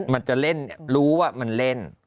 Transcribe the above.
มันจะเล่นรู้ว่ามันเล่น